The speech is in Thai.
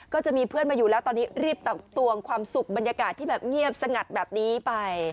ก็จะมีเพื่อนมาอยู่แล้วตอนนี้รีบตักตวงความสุขบรรยากาศที่แบบเงียบสงัดแบบนี้ไป